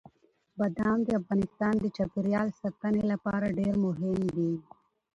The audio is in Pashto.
بادام د افغانستان د چاپیریال ساتنې لپاره ډېر مهم دي.